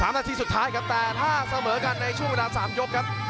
นาทีสุดท้ายครับแต่ถ้าเสมอกันในช่วงเวลา๓ยกครับ